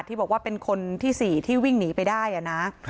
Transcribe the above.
ที่บอกว่าเป็นคนที่สี่ที่วิ่ง๒๕๐๐หมดไม่ได้นะ